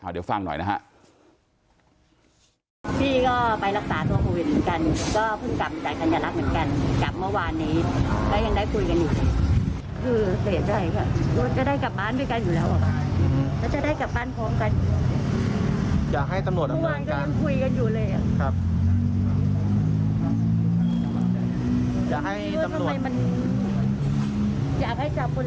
เดี๋ยวฟังหน่อยนะฮะ